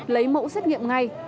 lấy mẫu xét nghiệm ngay